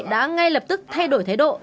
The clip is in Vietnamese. đã ngay lập tức thay đổi thế độ